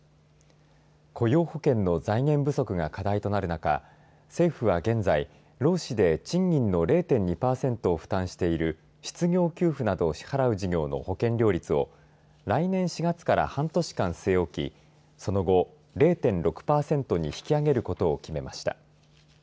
雇用保険の財源不足が課題となる中政府は、現在労使で賃金の０．２パーセントを負担している失業給付などを支払う事業の保険料率を来年４月から半年間据え置きその後、０．６パーセントに引き上げることを決めました。